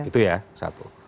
itu ya satu